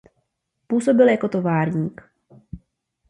Působil jako továrník.